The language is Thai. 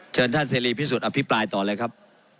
เชิญท่านเสรีพิสุทธิอภิปรายต่อเลยครับ